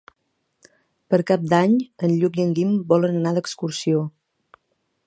Per Cap d'Any en Lluc i en Guim volen anar d'excursió.